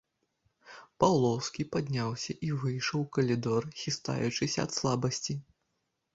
Паўлоўскі падняўся і выйшаў у калідор, хістаючыся ад слабасці.